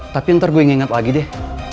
tapi ntar gue nginget lagi deh